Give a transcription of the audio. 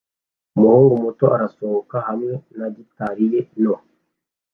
Umuhungu muto arasohoka hamwe na gitari ye nto